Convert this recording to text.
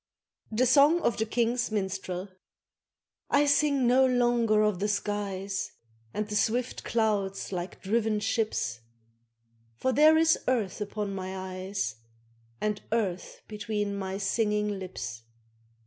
THE SONG OF THE KING'S MINSTREL I SING no longer of the skies, And the swift clouds like driven ships, For there is earth upon my eyes And earth between my singing lips.